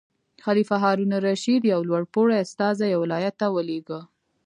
خلیفه هارون الرشید یو لوړ پوړی استازی یو ولایت ته ولېږه.